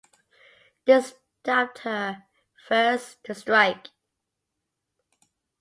This dubbed her "First To Strike".